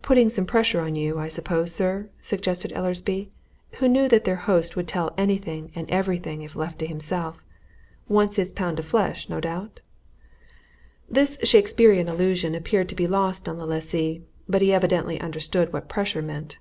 "Putting some pressure on you, I suppose, sir?" suggested Easleby, who knew that their host would tell anything and everything if left to himself. "Wants his pound of flesh, no doubt?" This Shakespearean allusion appeared to be lost on the lessee, but he evidently understood what pressure meant.